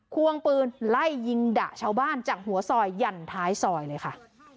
ควงปืนไล่ยิงดะชาวบ้านจากหัวซอยหยั่นท้ายซอยเลยค่ะ